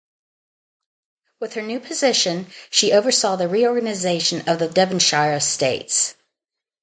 With her new position, she oversaw the reorganisation of the Devonshire estates.